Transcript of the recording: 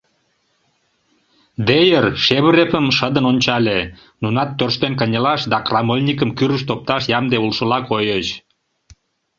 Дейер Шевыревым шыдын ончале, нунат тӧрштен кынелаш да крамольникым кӱрышт опташ ямде улшыла койыч.